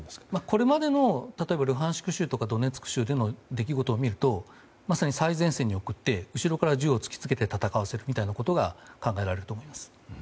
これまでの例えば、ルハンシク州とかドネツク州での出来事を見るとまさに最前線に送って後ろから銃を突き付けて戦わせるということが考えられると思います。